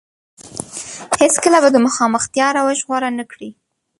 هېڅ کله به د مخامختيا روش غوره نه کړي.